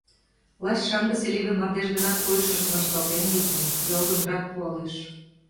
Лач шаҥгысе леве мардеж гына койышыжым вашталтен, витне, — юалгынрак пуалеш.